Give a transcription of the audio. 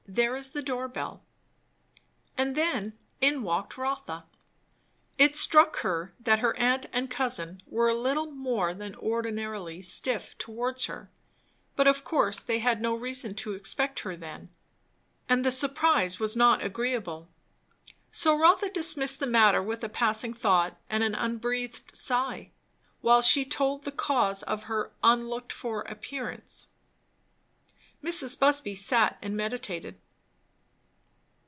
there is the door bell." And then in walked Rotha. It struck her that her aunt and cousin were a little more than ordinarily stiff towards her; but of course they had no reason to expect her then, and the surprise was not agreeable. So Rotha dismissed the matter with a passing thought and an unbreathed sigh; while she told the cause of her unlooked for appearance. Mrs. Busby sat and meditated.